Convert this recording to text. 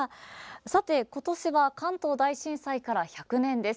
さて、今年は関東大震災から１００年です。